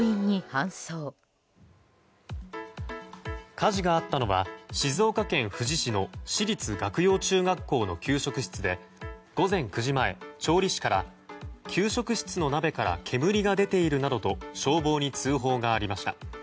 火事があったのは静岡県富士市の市立岳陽中学校の給食室で午前９時前調理師から給食室の前から煙が出ていると消防に通報がありました。